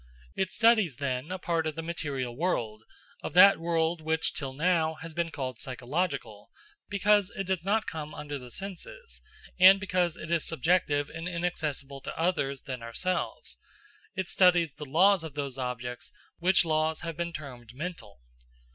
It studies, then, a part of the material world, of that world which till now has been called psychological, because it does not come under the senses, and because it is subjective and inaccessible to others than ourselves; it studies the laws of those objects, which laws have been termed mental.